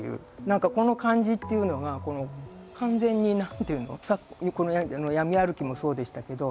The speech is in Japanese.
何かこの感じっていうのが完全に何ていうの闇歩きもそうでしたけど。